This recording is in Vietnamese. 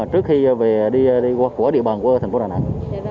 trước khi về đi qua địa bàn của thành phố đà nẵng